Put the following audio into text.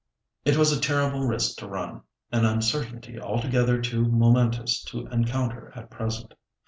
It was a terrible risk to run, an uncertainty altogether too momentous to encounter at present.